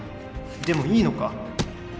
でもいいのか？